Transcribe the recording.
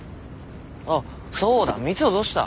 あっそうだ三生どうした？